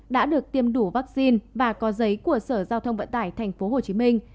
đã được tiêm đủ vaccine và có giấy của sở giao thông vận tải thành phố hồ chí minh